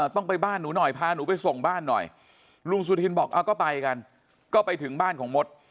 ต้องไปบ้านหนูหน่อยพาหนูไปส่งบ้านหน่อยลุงสุธินบอกก็ไปกันก็ไปถึงบ้านของมด